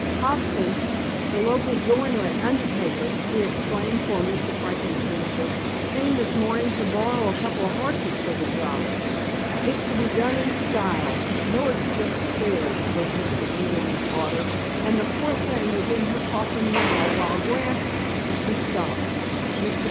"Hobson—the local joiner and undertaker"—he explained for Mr. Franklin's benefit—"came this morning to borrow a couple of horses for the job. It's to be done in style—'no expense spared' was Mr. Ingerman's order—and the poor thing is in her coffin now while Grant—" He stopped. Mr.